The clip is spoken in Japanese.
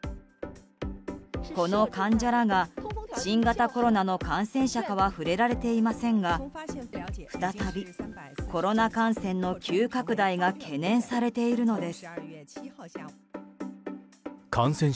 この患者らが新型コロナの感染者かは触れられていませんが再びコロナ感染の急拡大が懸念されているのです。